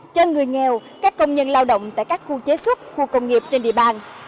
cho người nghèo các công nhân lao động tại các khu chế xuất khu công nghiệp trên địa bàn